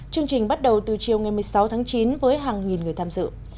chương trình bắt đầu từ chiều ngày một mươi sáu tháng chín với hàng nghìn người tham dự